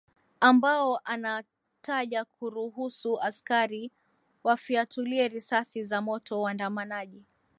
ambao anataja kuruhusu askari wafiatulie risasi za moto waandamanaji